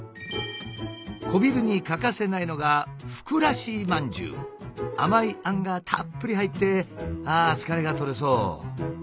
小昼に欠かせないのが甘いあんがたっぷり入ってああ疲れがとれそう。